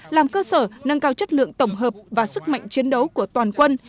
làm cơ sở nâng cao chất lượng tổng hợp và sức mạnh chiến đấu của toàn quân